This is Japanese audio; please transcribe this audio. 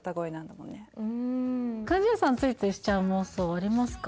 ついついしちゃう妄想ありますか？